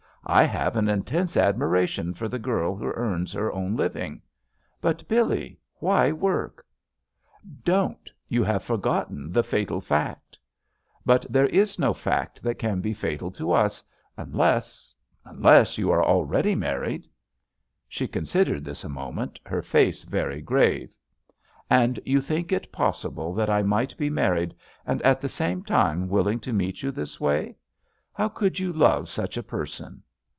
I have an intense admiration for the girl who earns her own living. But, Billee, why work?" "Don't I You have forgotten the fatal fact." "But there is no fact that can be fatal to us, unless — ^unless, you are already married!" She considered this a moment, her face very grave. "And you thiiik it possible that I might be married and at the same time willing to meet you this way? How could you love such a person?"